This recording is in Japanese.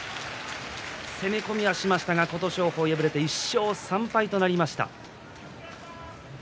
攻め込みはしましたが琴勝峰敗れて１勝３敗となりました。